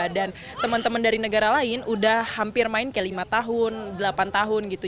dan teman teman dari negara lain udah hampir main ke lima tahun delapan tahun gitu